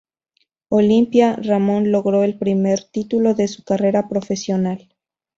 Olimpia, Ramón logró el primer título de su carrera profesional.